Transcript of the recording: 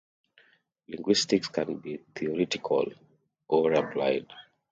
Linguistics can be theoretical or applied.